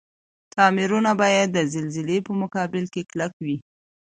تعميرونه باید د زلزلي په مقابل کي کلک وی.